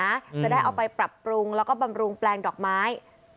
จะได้เอาไปปรับปรุงแล้วก็บำรุงแปลงดอกไม้